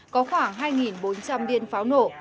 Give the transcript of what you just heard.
có khoảng hai bốn trăm linh điện pháo nổ